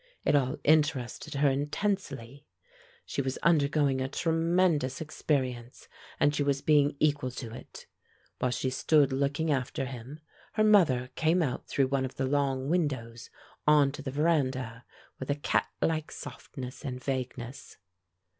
It all interested her intensely; she was undergoing a tremendous experience, and she was being equal to it. While she stood looking after him, her mother came out through one of the long windows, on to the veranda, with a catlike softness and vagueness.